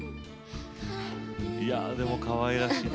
でも、かわいらしい。